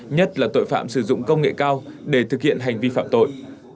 nhất là tội phạm sử dụng công nghệ cao để thực hiện hành vi phạm tội